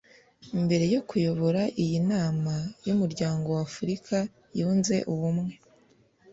Mbere yo kuyobora iyi Nama y’Umuryango wa Afurika Yunze Ubumwe